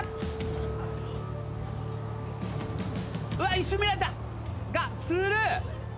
一瞬見られたがスルー！